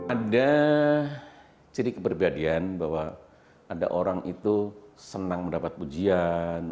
ada ciri keperbadian bahwa ada orang itu senang mendapat pujian